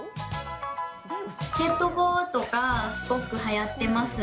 スケートボードがすごくはやってます。